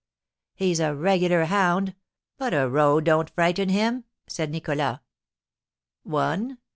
"He's a regular hound; but a row don't frighten him," said Nicholas. "One?